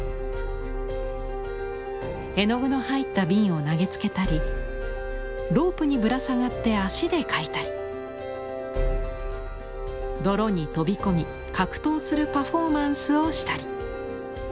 絵の具の入った瓶を投げつけたりロープにぶら下がって足で描いたり泥に飛び込み格闘するパフォーマンスをしたり。